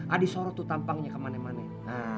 adi sorot tuh tampangnya kemana mana